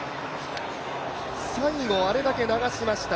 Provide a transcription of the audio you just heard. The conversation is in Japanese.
最後あれだけ流しました